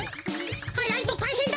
はやいとたいへんだぜ！